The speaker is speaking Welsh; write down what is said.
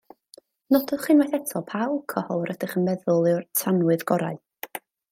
Nodwch unwaith eto pa alcohol rydych yn meddwl yw'r tanwydd gorau